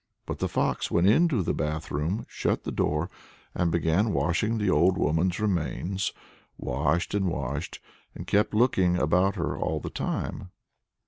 But the fox went into the bath room, shut the door, and began washing the old woman's remains; washed and washed, and kept looking about her all the time.